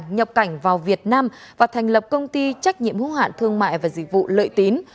nhập cảnh vào việt nam và thành lập công ty trách nhiệm hữu hạn thương mại và dịch vụ lợi tín